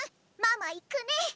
ママ行くね！